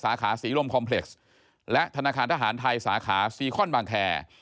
สาขาศรีลมคอมเพล็กซ์และธนาคารทหารไทยสาขาซีคอนบางแคร์